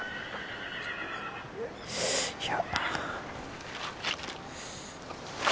いや。